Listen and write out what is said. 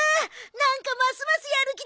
なんかますますやる気出てきた！